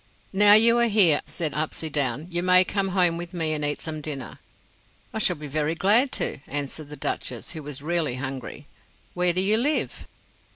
"Now you are here," said Upsydoun, "you may come home with me and eat some dinner." "I shall be very glad to," answered the Duchess, who was really hungry. "Where do you live?"